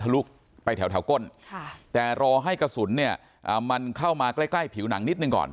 ลุไปแถวก้นแต่รอให้กระสุนเนี่ยมันเข้ามาใกล้ผิวหนังนิดหนึ่งก่อน